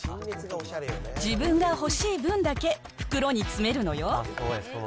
自分が欲しい分だけ、袋に詰めるのよ。